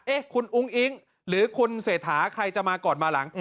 เอ๊ะคุณอุ้งอิงหรือคุณเสถาใครจะมาก่อนมาหลัง